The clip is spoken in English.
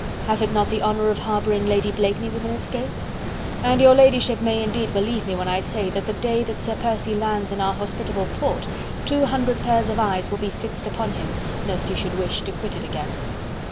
Hath it not the honour of harbouring Lady Blakeney within its gates?... And your ladyship may indeed believe me when I say that the day that Sir Percy lands in our hospitable port, two hundred pairs of eyes will be fixed upon him, lest he should wish to quit it again."